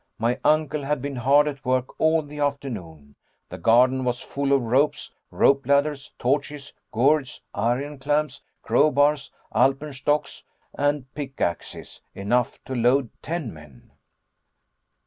My uncle had been hard at work all the afternoon. The garden was full of ropes, rope ladders, torches, gourds, iron clamps, crowbars, alpenstocks, and pickaxes enough to load ten men.